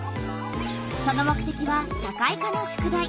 その目てきは社会科の宿題。